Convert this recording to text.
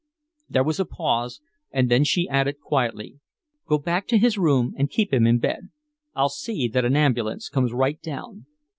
There was a pause, and then she added quietly, "Go back to his room and keep him in bed. I'll see that an ambulance comes right down."